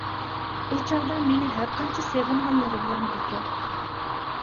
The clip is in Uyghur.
ئۇ چاغدا مېنى ھەرقانچە سېغىنغانلىرى بىلەن بىكار.